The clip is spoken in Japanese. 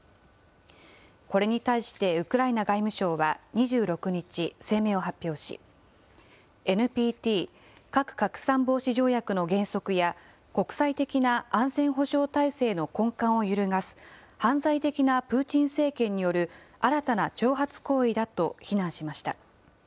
これに対してウクライナ外務省は２６日、声明を発表し、ＮＰＴ・核拡散防止条約の原則や国際的な安全保障体制の根幹を揺るがす、犯罪的なプーチン政権による新たな挑発行為だと非難しました。